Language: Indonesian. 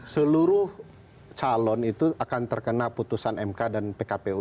seluruh calon itu akan terkena putusan mk dan pkpu dua puluh enam